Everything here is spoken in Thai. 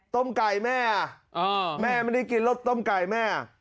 ไก่แม่แม่ไม่ได้กินรสต้มไก่แม่